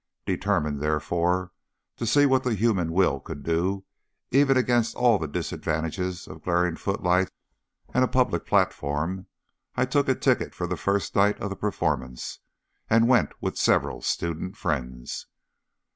Determined, therefore, to see what the human will could do, even against all the disadvantages of glaring footlights and a public platform, I took a ticket for the first night of the performance, and went with several student friends.